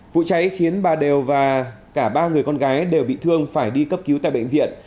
vụ cháy khiến bà đều và cả ba người con gái đều bị thương phải đi cấp cứu tại bệnh viện